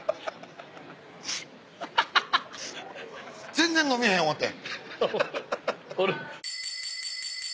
「全然のめへん思うて」